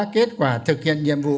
kết quả thực hiện nhiệm vụ